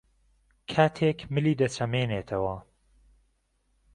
کاتێک ملی دەچەمێنێتەوە